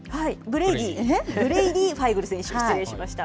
ブレイディ・ファイグル選手、失礼しました。